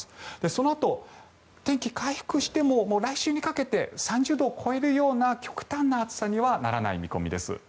そのあと天気は回復しても来週にかけて３０度を超えるような極端な暑さにはならない見込みです。